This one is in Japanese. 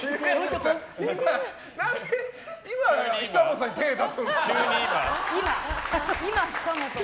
何で今久本さんに手出すんですか？